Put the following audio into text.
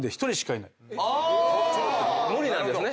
無理なんですね。